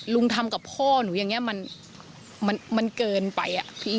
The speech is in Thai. ลุงทำกับพ่อหนูอย่างนี้มันเกินไปอะพี่